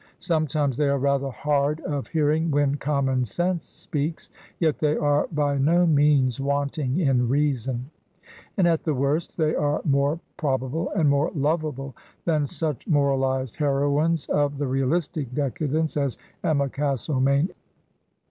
Sometimes they are rather hard of hearing when common sense speaks; yet they are by no means wanting in reason; and at the worst they are more probable and more lovable than such moralized heroines of the realistic decadence as Emma Castlemain.